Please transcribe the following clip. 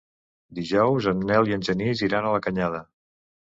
Dijous en Nel i en Genís iran a la Canyada.